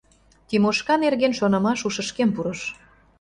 Тимошка нерген шонымаш ушышкем пурыш.